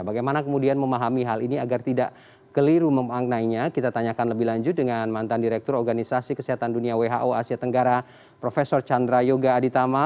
bagaimana kemudian memahami hal ini agar tidak keliru memaknainya kita tanyakan lebih lanjut dengan mantan direktur organisasi kesehatan dunia who asia tenggara prof chandra yoga aditama